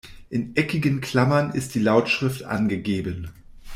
In eckigen Klammern ist die Lautschrift angegeben.